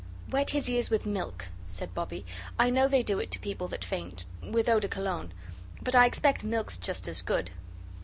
"Wet his ears with milk," said Bobbie. "I know they do it to people that faint with eau de Cologne. But I expect milk's just as good."